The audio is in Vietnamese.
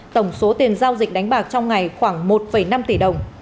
tổng số tiền giao dịch đánh bạc trong ngày khoảng một năm tỷ đồng